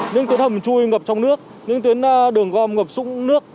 những tuyến hầm chui ngập trong nước những tuyến đường gom ngập sụng nước